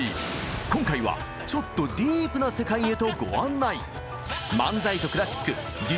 今回はちょっとディープな世界へとご案内。